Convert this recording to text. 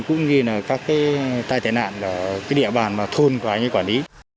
cũng như là các cái tai tài nạn ở cái địa bàn mà thôn của anh ấy quản lý